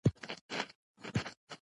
په اوښکو لوند مي مخ د رویبار دی